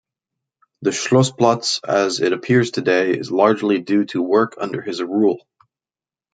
The "Schlossplatz" as it appears today is largely due to work under his rule.